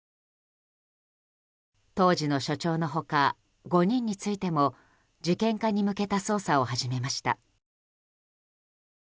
当時の署長の他５人についても事件化に向けた捜査を始めました。